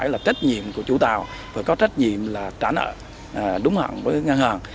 là trách nhiệm của chủ tàu và có trách nhiệm là trả nợ đúng hẳn với ngân hàng